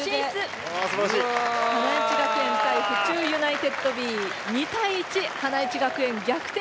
花一学園対府中ユナイテッドＢ２対１花一学園逆転